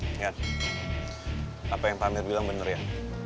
sian apa yang pamir bilang bener ya